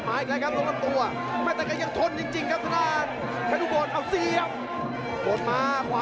หมาอีกแล้วครับตรงลำตัว